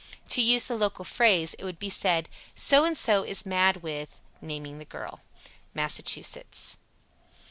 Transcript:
To use the local phrase, it would be said, So and so is "mad" with (naming the girl). _Massachusetts.